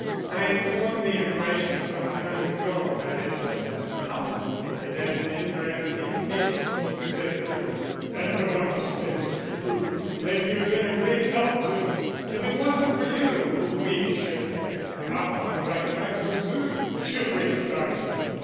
"I formed the impression some time ago that it was a complicated and interesting case," said Crewe. "And I want to say, Mr. Crewe, that you have been a great help to us. If it wasn't for you we shouldn't have got on the right track so soon, should we, sergeant?"